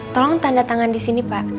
tolong tanda tangan disini pak